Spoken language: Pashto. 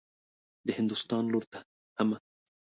د هندوستان لور ته حمه.